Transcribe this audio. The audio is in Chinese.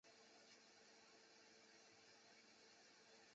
北周改名石城郡。